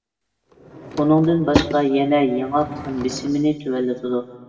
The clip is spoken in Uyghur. ئۇنىڭدىن باشقا يەنە ياڭاق قان بېسىمىنى تۆۋەنلىتىدۇ.